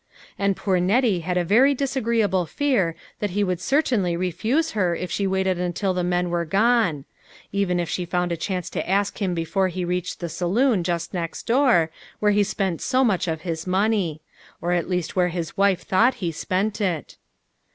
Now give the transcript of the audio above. And poor Nettie had a very dis agreeable fear that he would certainly refuse her if she waited until the men were gone ; even if she found a chance to ask him before he reached the saloon just next door, where he spent so much of his money. Or at least where his wife thought he spent it.